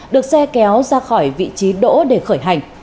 được xe kéo ra khỏi vị trí đỗ để khởi hành